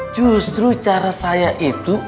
justru cara saya itu